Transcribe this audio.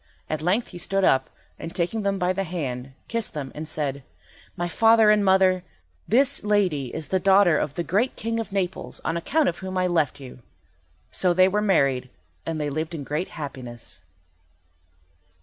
At length he stood up, and, taking them by the hand, kissed them, and said— "My father and my mother, this lady is the daughter of the great King of Naples on account of whom I left you." So they were married, and they lived in great happiness.